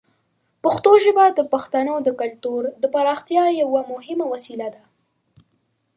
پښتو ژبه د پښتنو د کلتور د پراختیا یوه مهمه وسیله ده.